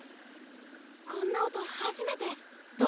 こんな音初めて。